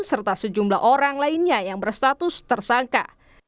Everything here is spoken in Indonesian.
serta sejumlah orang lainnya yang berstatus tersangka